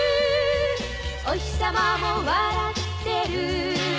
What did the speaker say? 「おひさまも笑ってる」